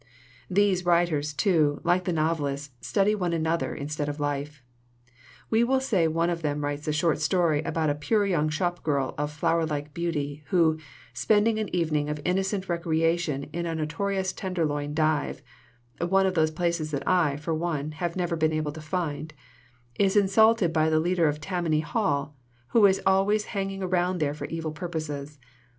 "These writers, too, like the novelists, study one another instead of life. We will say one of them writes a short story about a pure young shopgirl of flower like beauty who, spending an evening of innocent recreation in a notorious Tenderloin dive (one of those places that I, for one, have never been able to find), is insulted by the leader of Tammany Hall, who is always hang ing around there for evil purposes.